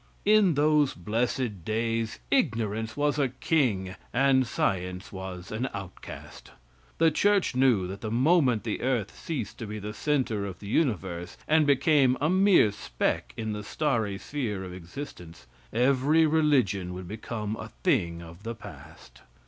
In those blessed days ignorance was a king and science was an outcast. The church knew that the moment the earth ceased to be the center of the universe, and became a mere speck in the starry sphere of existence, every religion would become a thing of the past.